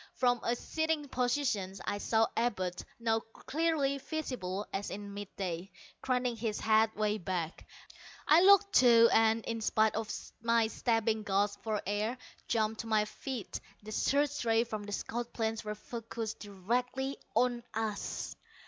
From a sitting position I saw Abud, now clearly visible as in midday, craning his head way back. I looked, too and, in spite of my stabbing gasps for air, jumped to my feet. _The search rays from the scout planes were focussed directly on us!